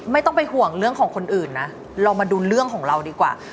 ไม่ต้องไปห่วงเรื่องของคนอื่นนะเรามาดูเรื่องของเราดีกว่า